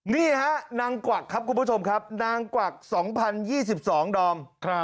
นี่ฮะนางกวักครับคุณผู้ชมครับนางกวัก๒๐๒๒ดอม